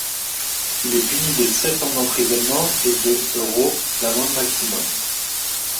Il est puni de sept ans d'emprisonnement et de euros d'amende maximum.